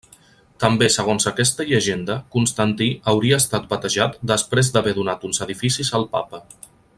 També segons aquesta llegenda, Constantí hauria estat batejat després d'haver donat uns edificis al papa.